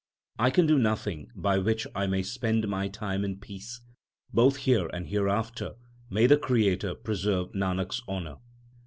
I can do nothing by which I may spend my time in peace. Both here and hereafter may the Creator preserve Nanak s honour